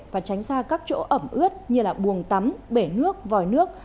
và tránh xa các chỗ ẩm ướt như buồng tắm bể nước vòi nước